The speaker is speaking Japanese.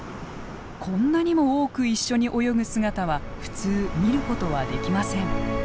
こんなにも多く一緒に泳ぐ姿は普通見ることはできません。